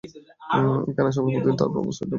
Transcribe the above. এখানে আসার পর প্রতিদিন সে তার বাবার সোয়েটার পরে ঘোরে।